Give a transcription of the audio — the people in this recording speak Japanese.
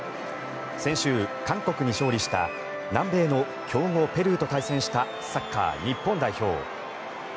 先週、韓国に勝利した南米の強豪ペルーと対戦したサッカー日本代表。